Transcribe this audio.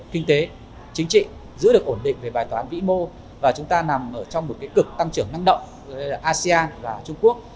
kinh tế chính trị giữ được ổn định về bài toán vĩ mô và chúng ta nằm ở trong một cái cực tăng trưởng năng động asean và trung quốc